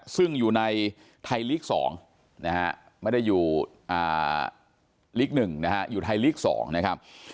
ซึ่งอยู่ในไทยลีก๒ไม่ได้อยู่ลีก๑อยู่ในไทยลีก๒